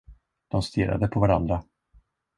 De stirrade på varandra.